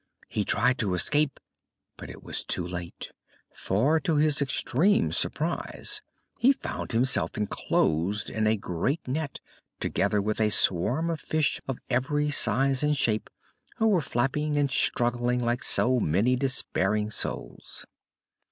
He tried to escape, but it was too late, for, to his extreme surprise, he found himself enclosed in a great net, together with a swarm of fish of every size and shape, who were flapping and struggling like so many despairing souls.